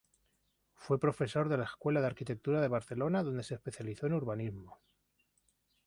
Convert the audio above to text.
Fue profesor de la Escuela de Arquitectura de Barcelona donde se especializó en urbanismo.